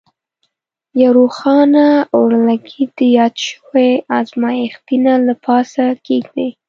یو روښانه اورلګیت د یاد شوي ازمیښتي نل له پاسه کیږدئ.